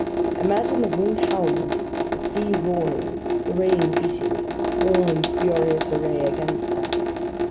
Imagine the wind howling, the sea roaring, the rain beating: all in furious array against her.